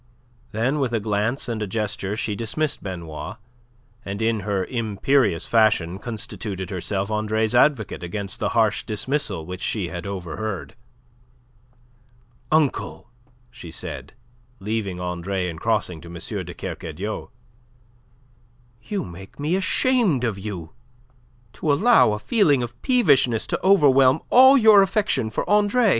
Then with a glance and a gesture she dismissed Benoit, and in her imperious fashion constituted herself Andre's advocate against that harsh dismissal which she had overheard. "Uncle," she said, leaving Andre and crossing to M. de Kercadiou, "you make me ashamed of you! To allow a feeling of peevishness to overwhelm all your affection for Andre!"